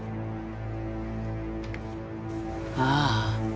ああ。